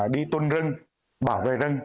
đi tuân rừng bảo vệ rừng